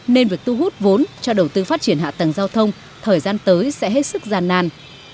nên việc tu hút vốn cho đầu tư phát triển hạ tầng giao thông thời gian tới sẽ hết sức gian nan